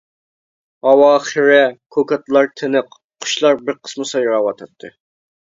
ھاۋا خىرە، كوكاتلار تىنىق، قۇشلار بىر قىسما سايراۋاتاتتى.